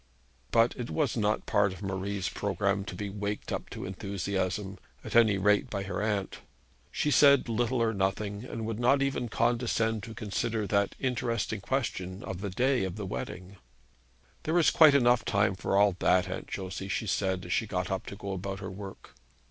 But it was not a part of Marie's programme to be waked up to enthusiasm at any rate by her aunt. She said little or nothing, and would not even condescend to consider that interesting question, of the day of the wedding. 'There is quite time enough for all that, Aunt Josey,' she said, as she got up to go about her work.